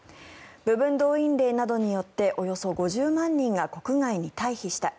部分動員令などによっておよそ５０万人が国外に退避した。